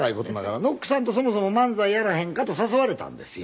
ノックさんとそもそも「漫才やらへんか」と誘われたんですよ。